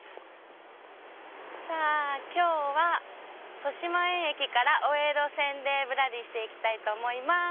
さぁ今日は豊島園駅から大江戸線でぶらりしていきたいと思います。